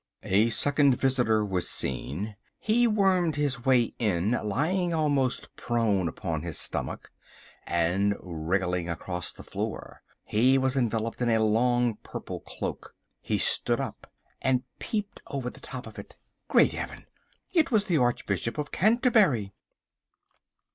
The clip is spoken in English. A second visitor was seen. He wormed his way in, lying almost prone upon his stomach, and wriggling across the floor. He was enveloped in a long purple cloak. He stood up and peeped over the top of it. Great Heaven! It was the Archbishop of Canterbury!